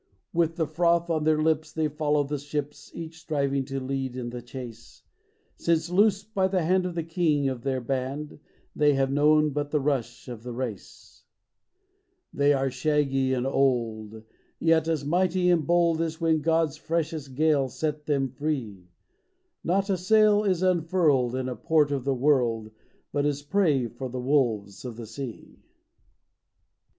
With the froth on their lips they follow the ships, Each striving to lead in the chase ; Since loosed by the hand of the King of their band They have known but the rush of the race. They are shaggy and old, yet as mighty and bold As when God's freshest gale set them free ; Not a sail is unfurled in a port of the world But is prey for the wolves of the Sea !